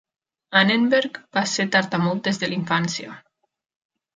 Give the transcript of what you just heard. Annenberg va ser tartamut des de la infància.